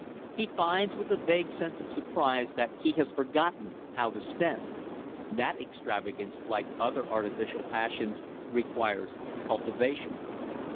He finds with a vague sense of surprise that he has forgotten how to spend. That extravagance, like other artificial passions, requires cultivation.